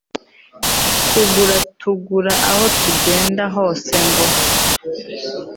kugenda tugura aho tugenda hose ngo